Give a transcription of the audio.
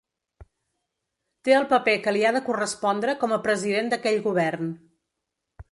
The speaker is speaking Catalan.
Té el paper que li ha de correspondre com a president d’aquell govern.